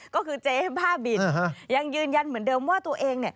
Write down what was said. ก็คือเจ๊บ้าบินยังยืนยันเหมือนเดิมว่าตัวเอง